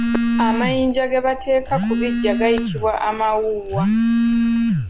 Amayinja ge bateeka ku biggya gayitibwa Amawuuwa.